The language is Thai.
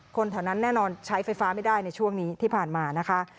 คนแถวนั้นแน่นอนใช้ไฟฟ้าไม่ได้ในช่วงนี้ที่ผ่านมานะคะ